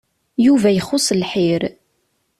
Yuba ixuṣ lḥir.